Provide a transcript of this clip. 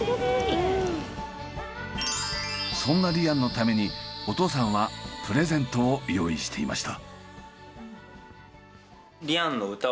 そんなリアンのためにお父さんはプレゼントを用意していました。